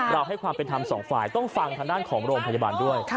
ให้ความเป็นธรรมสองฝ่ายต้องฟังทางด้านของโรงพยาบาลด้วย